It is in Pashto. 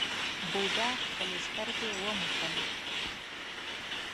بوډا خپلې سترګې وموښلې.